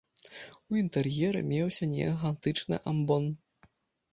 У інтэр'еры меўся неагатычны амбон.